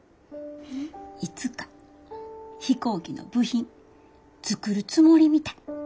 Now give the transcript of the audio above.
いつか飛行機の部品作るつもりみたい。